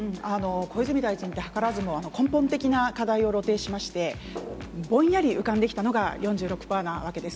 小泉大臣ってはからずも根本的な課題を露呈しまして、ぼんやり浮かんできたのが、４６パーなわけです。